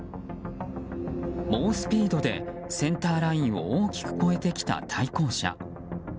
猛スピードでセンターラインを大きく越えてきた対向車。